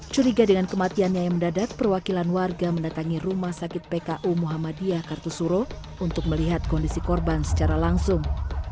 curiga dengan kematiannya yang mendadak perwakilan warga mendatangi rumah sakit pku muhammadiyah kartusuro untuk melihat kondisi korban secara langsung